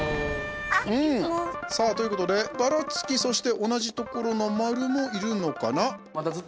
さあ、ということで、バラツキそして同じところの丸もいるのかな？